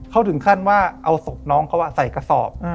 เขาถึงขั้นว่าเอาศพน้องเขาใส่กระสอบ